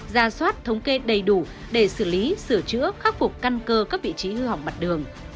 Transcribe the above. ra soát thống kê đầy đủ để xử lý sửa chữa khắc phục căn cơ các vị trí hư hỏng mặt đường